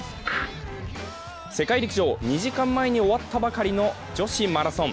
世界陸上２時間前に終わったばかりの女子マラソン。